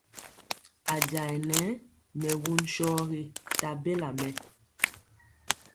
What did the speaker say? A jayɛ nɛ mɛ won sɔgi nta bela mɛ.